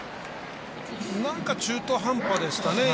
なんか中途半端でしたね。